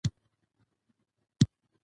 خاطر صاحب وايي: